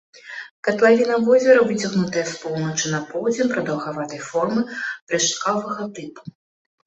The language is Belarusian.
Катлавіна возера выцягнутая з поўначы на поўдзень, прадаўгаватай формы, рэшткавага тыпу.